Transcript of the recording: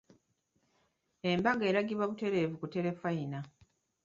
Embaga eragibwa butereevu ku Terefayina.